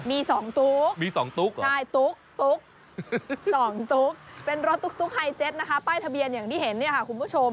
มีสองตุ๊กสองตุ๊กเป็นรถตุ๊กไฮเจสนะคะป้ายทะเบียนอย่างที่เห็นเนี่ยคุณผู้ชม